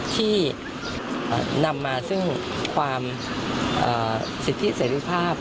ที่นำมาซึ่งความสิทธิเสรีภาพ